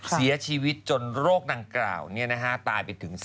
เสียชีวิตจนโรคดังกล่าวตายไปถึง